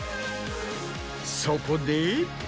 そこで。